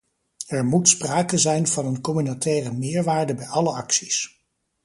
Er moet sprake zijn van een communautaire meerwaarde bij alle acties.